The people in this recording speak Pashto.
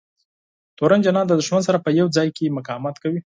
تورن جنرال د دښمن سره په هر ځای کې مقاومت کوي.